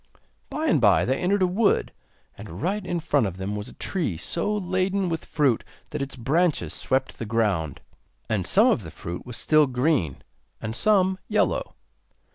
By and bye they entered a wood, and right in front of them was a tree so laden with fruit that its branches swept the ground. And some of the fruit was still green, and some yellow.